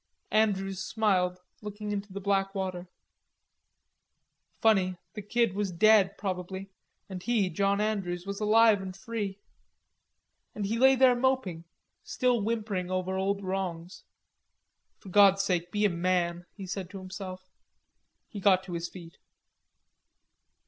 Andrews smiled, looking into the black water. Funny, the Kid was dead, probably, and he, John Andrews, was alive and free. And he lay there moping, still whimpering over old wrongs. "For God's sake be a man!" he said to himself. He got to his feet.